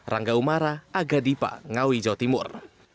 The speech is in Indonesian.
rangga umara aga dipa ngawi jawa timur